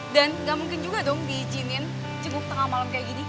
dan gak mungkin juga dong diizinin ceguk tengah malem kayak gini